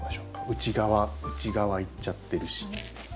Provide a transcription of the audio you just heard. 内側いっちゃってるし。